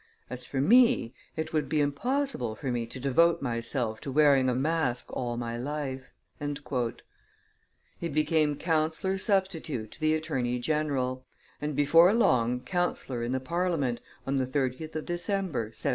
As for me, it would be impossible for me to devote myself to wearing a mask all my life." He became councillor substitute to the attorney general, and before long councillor in the Parliament, on the 30th of December, 1752.